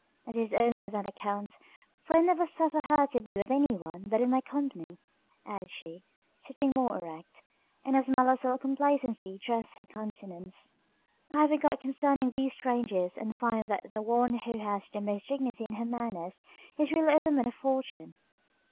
It is only on that account, for I never suffer her to be with any one but in my company," added she, sitting more erect; and a smile of self complacency dressed her countenance. "I have enquired concerning these strangers, and find that the one who has the most dignity in her manners, is really a woman of fortune."